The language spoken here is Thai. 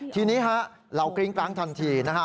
ทีนี้ฮะเรากริ้งกร้างทันทีนะฮะ